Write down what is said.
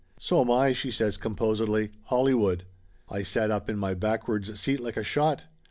"So am I," she says composedly. "Hollywood !" I sat up in my backwards seat like a shot.